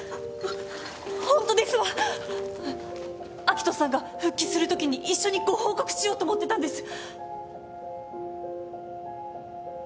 明人さんが復帰するときに一緒にご報告しようと思ってたんです。